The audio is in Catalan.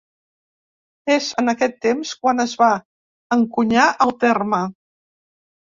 És en aquest temps quan es va encunyar el terme.